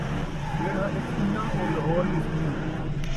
جیڑھا اِتھ سُن٘ڄاں، او لہور وی سُن٘ڄاں